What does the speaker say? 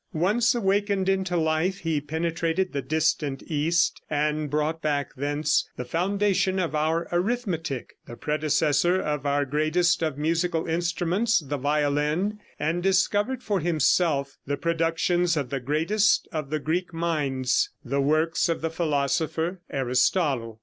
Once awakened into life, he penetrated the distant east, and brought back thence the foundation of our arithmetic, the predecessor of our greatest of musical instruments, the violin, and discovered for himself the productions of the greatest of the Greek minds, the works of the philosopher Aristotle.